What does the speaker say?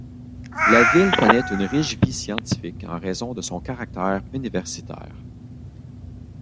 La ville connait une riche vie scientifique en raison de son caractère universitaire.